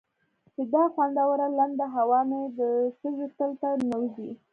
چې دا خوندوره لنده هوا مې د سږو تل ته ننوځي.